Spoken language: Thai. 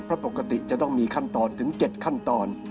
เพราะปกติจะต้องมีขั้นตอนถึง๗ขั้นตอน